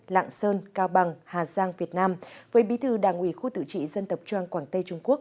lạng sơn cao bằng hà giang việt nam với bí thư đảng ủy khu tự trị dân tộc trang quảng tây trung quốc